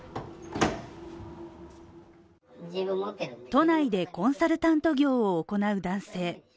都内でコンサルタント業を行う男性。